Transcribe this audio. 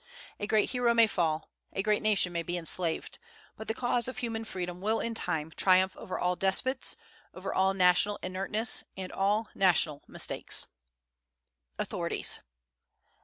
A great hero may fall, a great nation may be enslaved; but the cause of human freedom will in time triumph over all despots, over all national inertness, and all national mistakes. AUTHORITIES.